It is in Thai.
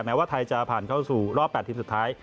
ว่าไทยจะผ่านเข้าสู่รอบ๘ทีมสุดท้าย